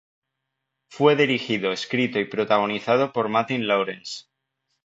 Fue dirigido, escrito y protagonizado por Martin Lawrence.